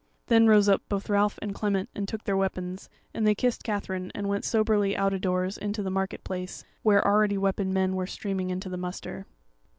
Then rose up both Ralph and Clement and took their weapons, and they kissed Katherine and went soberly out a doors into the market place, where already weaponed men were streaming in to the muster.